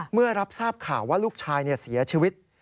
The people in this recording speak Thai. เมื่อรับทราบข่าวว่าลูกชายเสียชีวิต